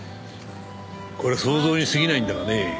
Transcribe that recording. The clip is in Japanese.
これは想像に過ぎないんだがね